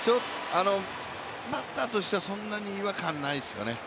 バッターとしてはそんなに違和感ないですよね。